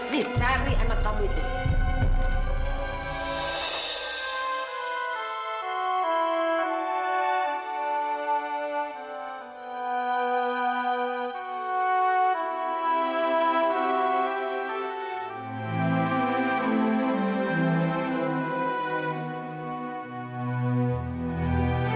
nih cari anak kamu itu